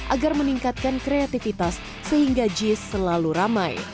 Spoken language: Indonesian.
agar meningkatkan kreativitas sehingga jis selalu ramai